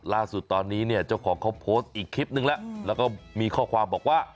ล่าสุดตอนนี้เนี่ยเจ้าของเขาโพสต์อีกคลิปนึงแล้วแล้วก็มีข้อความบอกว่า